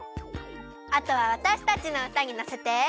あとはわたしたちのうたにのせて。